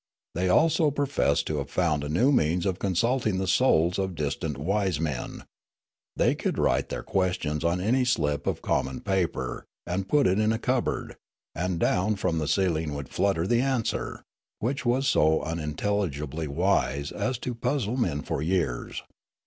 They also professed to have found a new means of consulting the souls of distant wise men ; they could write their questions on any slip of common paper and put it in a cupboard, and down from the ceiling would flutter the answer, which was so unintel ligibly wise as to puzzle men for years.